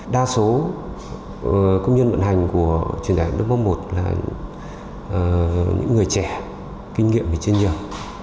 đa số công nhân vận hành của truyền đại học lớp một là những người trẻ kinh nghiệm thì chưa nhiều